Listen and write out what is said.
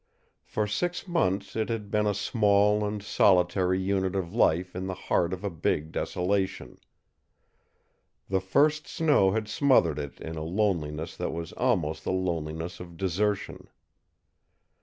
For six months it had been a small and solitary unit of life in the heart of a big desolation. The first snow had smothered it in a loneliness that was almost the loneliness of desertion.